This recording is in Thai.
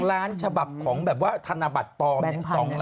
ล้านฉบับของแบบว่าธนบัตรปลอม